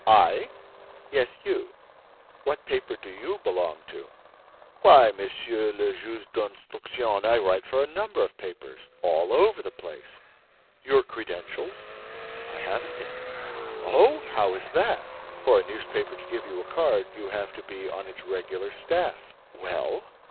"I?" "Yes, you: what paper do you belong to?" "Why, Monsieur le Juge d'Instruction, I write for a number of papers—all over the place—" "Your credentials?" "I haven't any." "Oh! How is that?" "For a newspaper to give you a card, you have to be on its regular staff." "Well?"